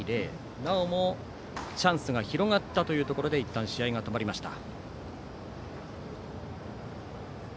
なおもチャンスが広がったところでいったん試合が止まりました。